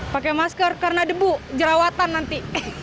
pakai masker karena debu jerawatan nanti